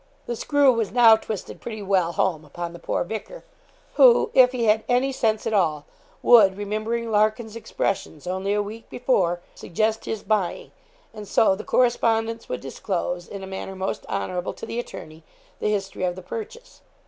The screw was now twisted pretty well home upon the poor vicar, who, if he had any sense at all, would, remembering Larkin's expressions only a week before, suggest his buying, and so, the correspondence would disclose, in a manner most honourable to the attorney, the history of the purchase.